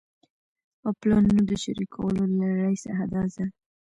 او پلانونو د شريکولو له لړۍ څخه دا ځل